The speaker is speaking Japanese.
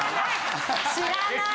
知らない！